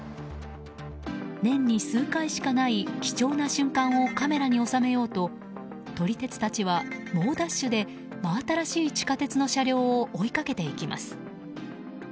年に数回しかない貴重な瞬間をカメラに収めようと撮り鉄たちは猛ダッシュで真新しい地下鉄の車両を追いかけていきます。